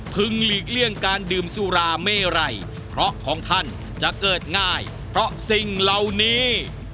หลีกเลี่ยงการดื่มสุราเมไรเพราะของท่านจะเกิดง่ายเพราะสิ่งเหล่านี้